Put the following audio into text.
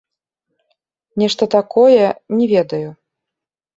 Нешта такое, не ведаю.